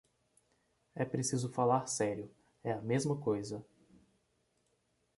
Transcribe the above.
É preciso falar sério: é a mesma coisa.